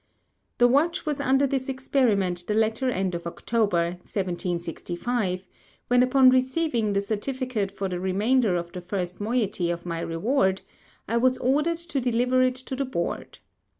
The Watch was under this Experiment the latter End of October, 1765, when upon receiving the Certificate for the Remainder of the first Moiety of my Reward, I was ordered to deliver it to the Board.